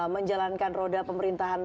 menjalankan roda pemerintahan